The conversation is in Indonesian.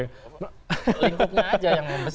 lingkupnya aja yang membesar